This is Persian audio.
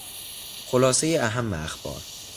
خلاصهی اهم اخبار